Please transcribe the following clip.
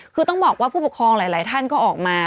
คือต้องบอกว่าผู้ปกครองหลายท่านก็ออกมา